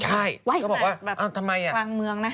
ใช่ก็บอกว่าทำไม